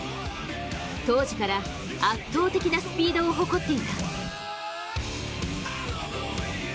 当時から圧倒的なスピードを誇っていた。